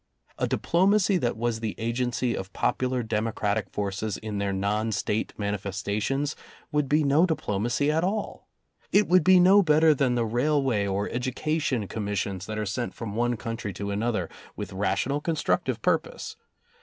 A diplomacy that was the agency of popular demo cratic forces in their non State manifestations would be no diplomacy at all. It would be no better than the Railway or Education Commissions that are sent from one country to another with rational constructive purpose.